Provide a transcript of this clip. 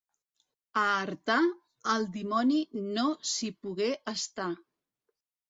A Artà, el dimoni no s'hi pogué estar.